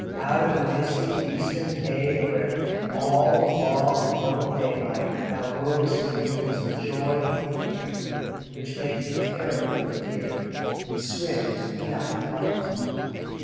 Out of the misty eastern cave, Where, all the long and lone daylight, Thou wovest dreams of joy and fear, Which make thee terrible and dear Swift be thy flight!